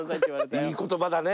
いい言葉だね。